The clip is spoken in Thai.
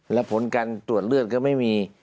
และผลการตรวจเลือดก็ไม่มี